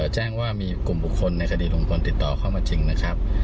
แจ้งว่ามีกลุ่มบุคคลในคดีลุงพลติดต่อเข้ามาจริงนะครับ